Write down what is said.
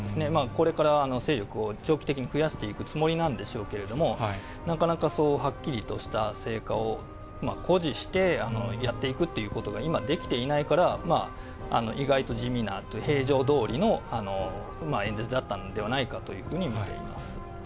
これから勢力を長期的に増やしていくつもりなんでしょうけれども、なかなか、そうはっきりとした成果を誇示してやっていくということが今、できていないから、意外と地味なというか、平常どおりの演説だったのではないかというふうに見ています。